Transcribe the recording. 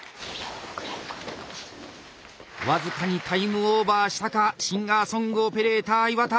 僅かにタイムオーバーしたかシンガーソングオペレーター岩田。